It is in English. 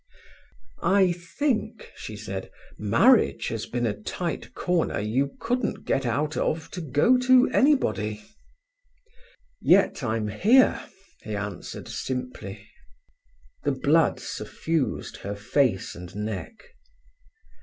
"I think," she said, "marriage has been a tight corner you couldn't get out of to go to anybody." "Yet I'm here," he answered simply. The blood suffused her face and neck.